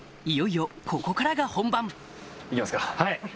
いよいよここからが本番はい！